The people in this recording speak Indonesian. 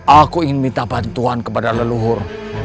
aku ingin minta bantuan kepada leluhur